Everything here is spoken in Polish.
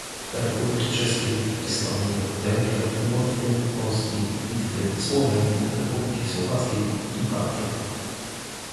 Republiki Czeskiej, Estonii, Węgier, Łotwy, Polski, Litwy, Słowenii, Republiki Słowackiej i Malty